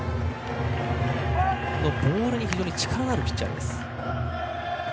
ボールに非常に力があるピッチャーです。